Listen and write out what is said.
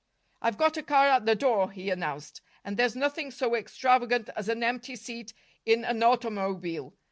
"I've got a car at the door," he announced, "and there's nothing so extravagant as an empty seat in an automobile.